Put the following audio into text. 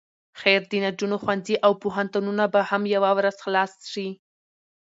خير د نجونو ښوونځي او پوهنتونونه به هم يوه ورځ خلاص شي.